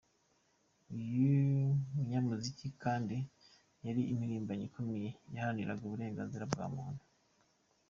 Uyu munyamuziki kandi, yari impirimbanyi ikomeye yaharaniraga uburenganzira bwa muntu.